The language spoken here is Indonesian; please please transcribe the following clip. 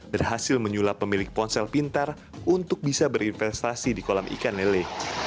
berhasil menyulap pemilik ponsel pintar untuk bisa berinvestasi di kolam ikan lele